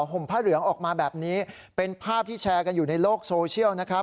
ห่มผ้าเหลืองออกมาแบบนี้เป็นภาพที่แชร์กันอยู่ในโลกโซเชียลนะครับ